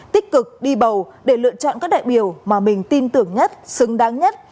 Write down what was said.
tích cực đi bầu để lựa chọn các đại biểu mà mình tin tưởng nhất xứng đáng nhất